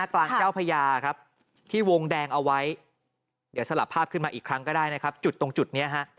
กลางเจ้าพญาครับที่วงแดงเอาไว้เดี๋ยวสลับภาพขึ้นมาอีกครั้งก็ได้นะครับจุดตรงจุดนี้ฮะ